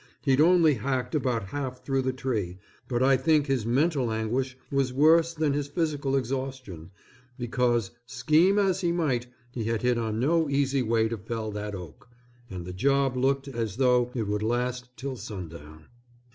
He'd only hacked about half through the tree, but I think his mental anguish was worse than his physical exhaustion, because scheme as he might he had hit on no easy way to fell that oak, and the job looked as though it would last till sundown.